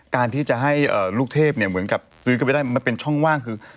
การที่จะให้ลูกเทพเนี่ยเหมือนกับซื้อเข้าไปได้มันเป็นช่องว่างคือ